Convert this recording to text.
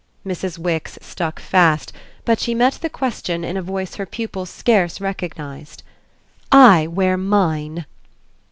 Mrs. Wix stuck fast, but she met the question in a voice her pupil scarce recognised. "I wear mine."